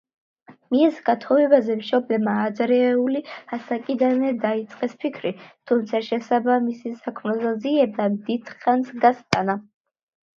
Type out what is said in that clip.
მის გათხოვებაზე მშობლებმა ადრეული ასაკიდანვე დაიწყეს ფიქრი, თუმცა შესაბამისი საქმროს ძიებამ დიდხანს გასტანა.